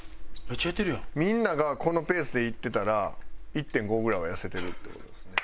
みんながこのペースでいってたら１．５ぐらいは痩せてるって事ですね。